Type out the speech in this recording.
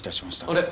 あれ？